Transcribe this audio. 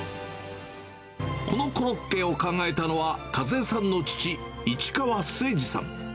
このコロッケを考えたのは、和枝さんの父、市川末治さん。